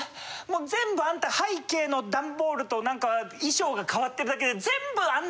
もう全部あんた背景の段ボールとなんか衣装が変わってるだけで」。